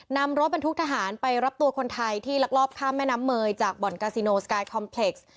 นำรถบรรทุกทหารไปรับตัวคนไทยที่ลักลอบข้ามแม่น้ำเมยจากบ่อนกาซิโนสกายคอมเพล็กซ์